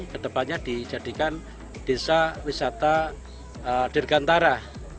kedepannya dijadikan desa wisata dirgantara